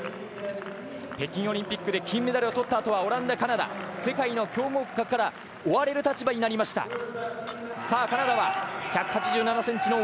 平昌オリンピックで金メダルをとったあとはオランダ、カナダと世界の強豪国から追われる立場になりました。